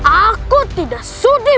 aku tidak sudi